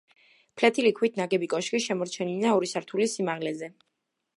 ფლეთილი ქვით ნაგები კოშკი შემორჩენილია ორი სართულის სიმაღლეზე.